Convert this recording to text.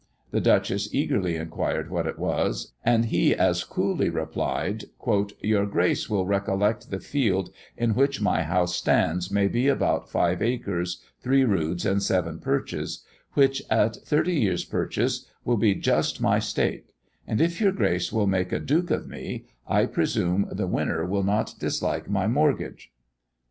The Duchess eagerly inquired what it was; and he as coolly replied, "Your grace will recollect the field in which my house stands may be about five acres, three roods, and seven perches; which, at thirty years' purchase, will be just my stake; and if your grace will make a duke of me, I presume the winner will not dislike my mortgage."